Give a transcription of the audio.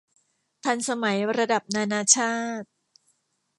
ทันสมัยระดับนานาชาติ